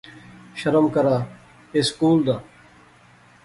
شرم کرا، ایہہ سکول دا